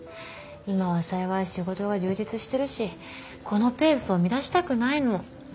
今は幸い仕事が充実してるしこのペースを乱したくないの。